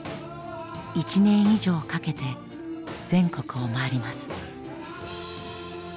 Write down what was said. １年以上かけて全国を回ります。